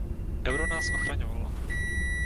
Euro nás ochraňovalo.